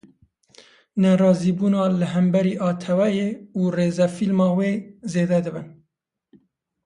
Nerazîbûna li hemberî Atvyê û rêzefîlma wê zêde dibin.